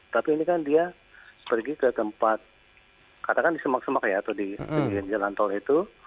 tapi ini kan dia pergi ke tempat katakan di semak semak ya atau di pinggir jalan tol itu